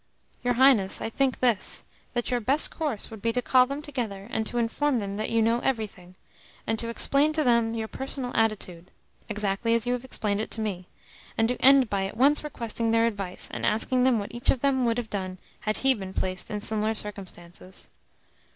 "Your Highness, I think this: that your best course would be to call them together, and to inform them that you know everything, and to explain to them your personal attitude (exactly as you have explained it to me), and to end by at once requesting their advice and asking them what each of them would have done had he been placed in similar circumstances."